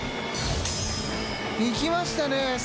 いきましたね。